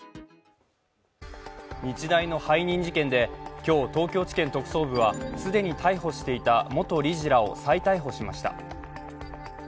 日大の背任事件で、今日、東京地検特捜部は既に逮捕していた元理事らを再逮捕しました。